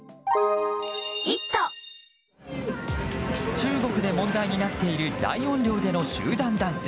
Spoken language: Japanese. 中国で問題になっている大音量での集団ダンス。